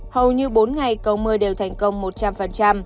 hầu như bốn ngày cầu mưa đều thành công một trăm linh